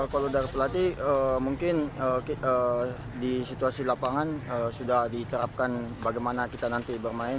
kalau dari pelatih mungkin di situasi lapangan sudah diterapkan bagaimana kita nanti bermain